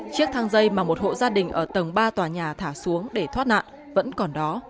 chiếc thang dây mà một hộ gia đình ở tầng ba tòa nhà thả xuống để thoát nạn vẫn còn đó